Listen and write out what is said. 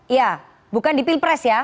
ya bukan di pilpres ya